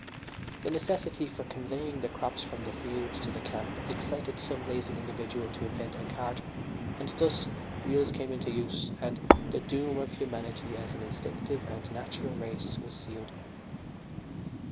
The necessity for conveying the crops from the field to the camp excited some lazy individual to invent a cart, and, thus, wheels came into use and the doom of humanity as an instinctive and natural race was sealed.